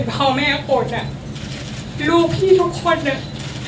พี่เป็นพ่อแม่คนอะลูกพี่ทุกคนอะ